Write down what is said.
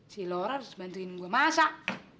si lora harus bantuin gua masak